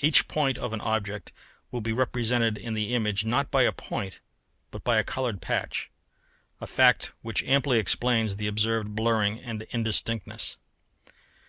Each point of an object will be represented in the image not by a point but by a coloured patch: a fact which amply explains the observed blurring and indistinctness.